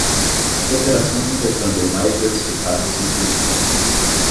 Cooperação e intercâmbio mais diversificados e internacionais